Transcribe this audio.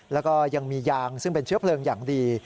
แล้วก็ยังมียางซึ่งเป็นเชื้อเพลิงอย่างดี